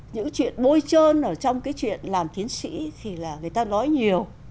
những chuyện bôi trơn ở trong cái chuyện làm tiến sĩ thì là người ta nói nhiều